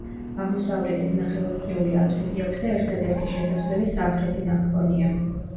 აღმოსავლეთით ნახევარწრიული აფსიდი აქვს და ერთადერთი შესასვლელი სამხრეთიდან ჰქონია.